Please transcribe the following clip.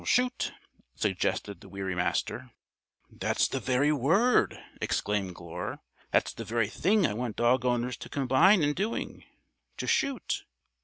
"Shoot!" suggested the weary Master. "That's the very word!" exclaimed Glure. "That's the very thing I want dog owners to combine in doing. To shoot!"